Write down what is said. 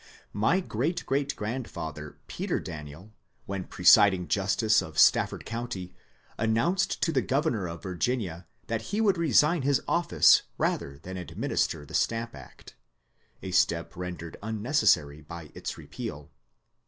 My great great grandfather, Peter Daniel, when presiding justice of Stafford County, announced to the governor of Virginia that he would resign his office rather than administer the Stamp Act, a step rendered unnecessary by its repeal.